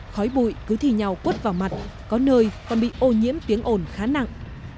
khói bụi cứ thì nhau quất vào mặt có nơi còn bị ô nhiễm tiếng ổn khá nặng